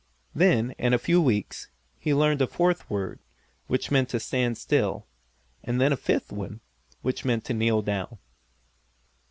Then, in a few weeks, he learned a fourth word, which meant to stand still, and then a fifth one, which meant to kneel down.